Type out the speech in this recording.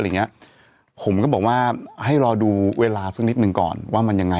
อย่างเงี้ยผมก็บอกว่าให้รอดูเวลาสักนิดหนึ่งก่อนว่ามันยังไง